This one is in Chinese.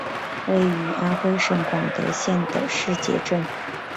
位于安徽省广德县的誓节镇。